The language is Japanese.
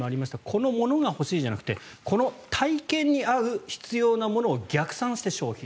この物が欲しいじゃなくてこの体験に合う・必要なものを逆算して消費。